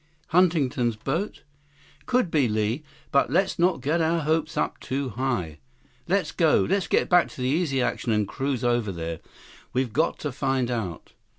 "Huntington's boat?" "Could be, Li. But let's not get our hopes up too high." "Let's go. Let's get back to the Easy Action and cruise over there. We've got to find out."